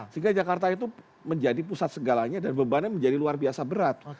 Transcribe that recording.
sehingga jakarta itu menjadi pusat segalanya dan bebannya menjadi luar biasa berat